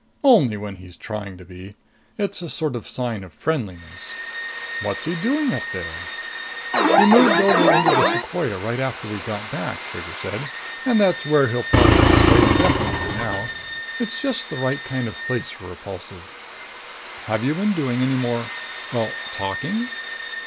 "Only when he's trying to be. It's a sort of sign of friendliness." "What's he doing up there?" "He moved over into the sequoia right after we got back," Trigger said. "And that's where he'll probably stay indefinitely now. It's just the right kind of place for Repulsive." "Have you been doing any more well, talking?"